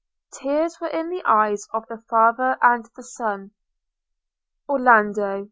– Tears were in the eyes of the father and the son. 'Orlando!'